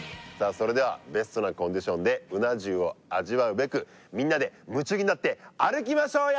それではベストなコンディションでうな重を味わうべくみんなで夢中になって歩きましょうや！